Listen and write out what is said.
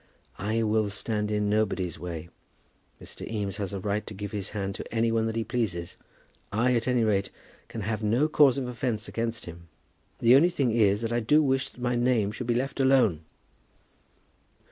"I will stand in nobody's way. Mr. Eames has a right to give his hand to any one that he pleases. I, at any rate, can have no cause of offence against him. The only thing is that I do wish that my name could be left alone."